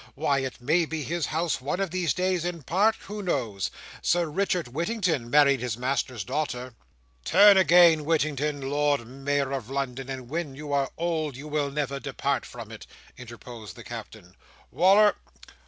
Why it may be his House one of these days, in part. Who knows? Sir Richard Whittington married his master's daughter." "'Turn again Whittington, Lord Mayor of London, and when you are old you will never depart from it,'" interposed the Captain. "Wal"r!